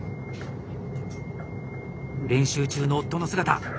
練習中の夫の姿うわ